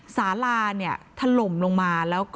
ศาลาถล่มลงมา